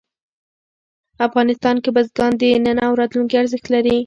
افغانستان کې بزګان د نن او راتلونکي ارزښت لري.